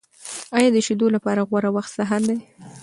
آیا د شیدو لپاره غوره وخت سهار دی؟